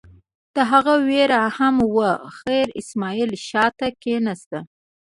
د هغه وېره هم وه، خیر اسماعیل شا ته کېناست.